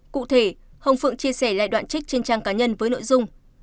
cụ thể ông phượng chia sẻ lại đoạn trích trên trang cá nhân với nội dung